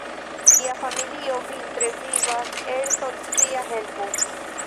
Lia familio vintre vivas el socia helpo.